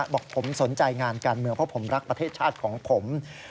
บอกผมสนใจงานการเมืองเพราะผมรักประเทศชาติของผม